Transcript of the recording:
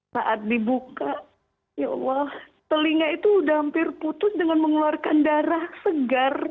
saat dibuka ya allah telinga itu udah hampir putus dengan mengeluarkan darah segar